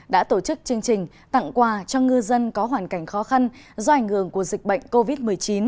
đã tổ chức chương trình tặng quà cho ngư dân có hoàn cảnh khó khăn do ảnh hưởng của dịch bệnh covid một mươi chín